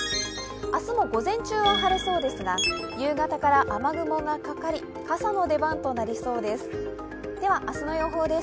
明日も午前中は晴れそうですが夕方から雨雲がかかり傘の出番となりそうです。